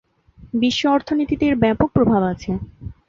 বিশ্ব অর্থনীতিতে এর ব্যাপক প্রভাব আছে।